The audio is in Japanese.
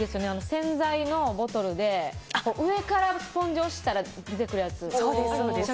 洗剤のボトルで上からスポンジを押したら出てくるやつ。